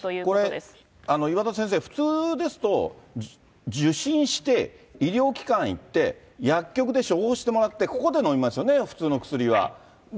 これ、岩田先生、普通ですと、受診して医療機関行って、薬局で処方してもらって、ここで飲みますよね、普通の薬は。